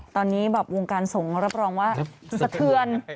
ตอนนี้แบบวงการสงฆ์รับรองว่าสะเทือน